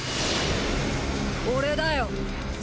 俺だよ。